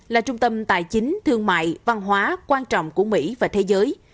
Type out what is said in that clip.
là trung tâm tài chính thương mại văn hóa quan trọng của mỹ và thế giới